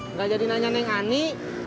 nggak jadi nanya neng ani